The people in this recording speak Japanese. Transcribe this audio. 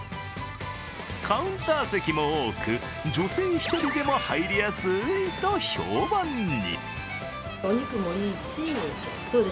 カウンター席も多く、女性１人でも入りやすいと評判に。